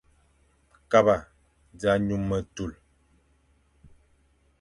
Kaba za nyum metul,